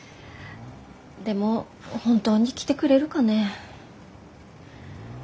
でも本当に来てくれるかねぇ。